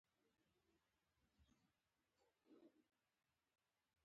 په پسرلي کي ګلان غوړيږي.